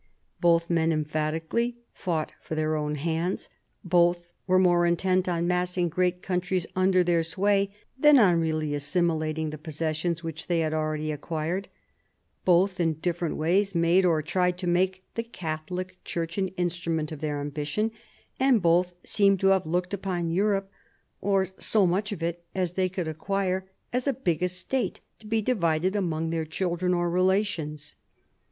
Both men emphatically " fought for their own hands "; both were more intent on massing great countries under their sway than on really assimilating the possessions which they had already acquired ; both in different ways made, or tried to make, the Catholic Church an instrument of their ambition ; and both seem to have looked upon Europe, or so much of it as they could acquire, as a big estate to be divided among their children or relations.